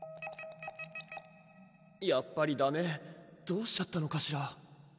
やっぱりダメどうしちゃったのかしら？